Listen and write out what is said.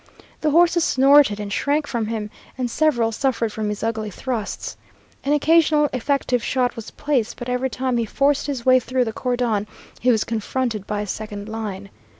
The horses snorted and shrank from him, and several suffered from his ugly thrusts. An occasional effective shot was placed, but every time he forced his way through the cordon he was confronted by a second line.